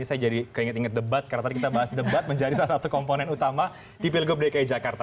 saya jadi keinget inget debat karena tadi kita bahas debat menjadi salah satu komponen utama di pilgub dki jakarta